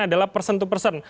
adalah person to person